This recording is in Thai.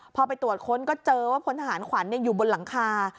พอไปตรวจค้นก็เจอว่าพลทหารขวัญอยู่บนหลังคา